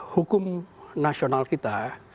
hukum nasional kita